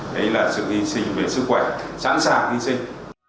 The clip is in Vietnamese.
đấy là sự hi sinh về sức khỏe sẵn sàng hi sinh